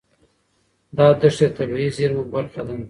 دا دښتې د طبیعي زیرمو برخه ده.